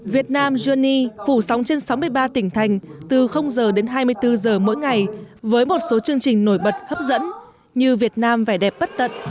việt nam goni phủ sóng trên sáu mươi ba tỉnh thành từ giờ đến hai mươi bốn giờ mỗi ngày với một số chương trình nổi bật hấp dẫn như việt nam vẻ đẹp bất tận